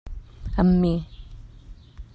Amb mi.